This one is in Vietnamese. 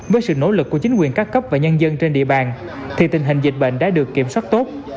với sự nỗ lực của chính quyền các cấp và nhân dân trên địa bàn thì tình hình dịch bệnh đã được kiểm soát tốt